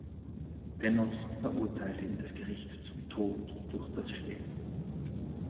Dennoch verurteilte ihn das Gericht zum Tod durch das Schwert.